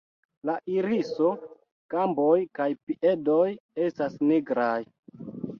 La iriso, gamboj kaj piedoj estas nigraj.